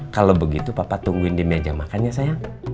kalo begitu papa tungguin di meja makan ya sayang